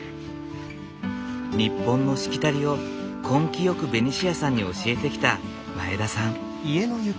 日本のしきたりを根気よくベニシアさんに教えてきた前田さん。